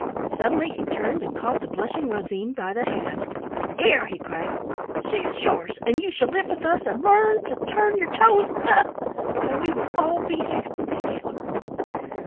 Suddenly he turned and caught the blushing Rosine by the hand. "Here!" he cried; "she is yours, and you shall live with us, and learn to turn your toes up, and we will all be happy together."